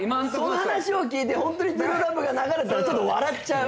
その話を聞いてホントに『ＴＲＵＥＬＯＶＥ』が流れたらちょっと笑っちゃう。